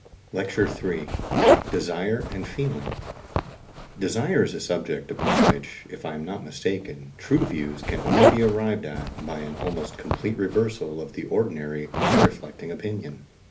LECTURE III. DESIRE AND FEELING Desire is a subject upon which, if I am not mistaken, true views can only be arrived at by an almost complete reversal of the ordinary unreflecting opinion.